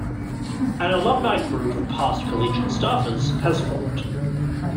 An alumni group of past Collegian staffers has formed.